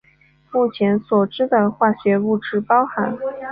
目前所知的化学物质包含。